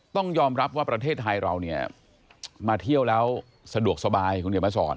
ต้องยอมรับว่าประเทศไทยเราเนี่ยมาเที่ยวแล้วสะดวกสบายคุณเดี๋ยวมาสอน